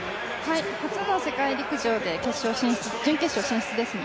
初の世界陸上で準決勝進出ですね。